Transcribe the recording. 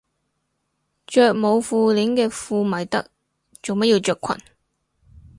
着冇褲鏈嘅褲咪得，做乜要着裙